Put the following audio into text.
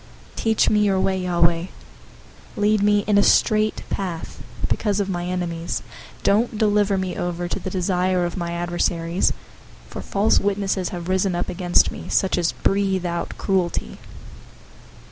027:011 Teach me your way, Yahweh. Lead me in a straight path, because of my enemies. 027:012 Don't deliver me over to the desire of my adversaries, for false witnesses have risen up against me, such as breathe out cruelty.